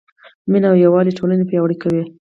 مینه او یووالی ټولنه پیاوړې کوي.